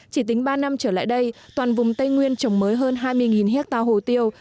chỉ tính ba năm trở lại đây toàn vùng tây nguyên trồng mới hơn hai mươi hectare hồ tiêu